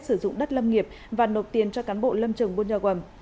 sử dụng đất lâm nghiệp và nộp tiền cho cán bộ lâm trường buôn giao quẩm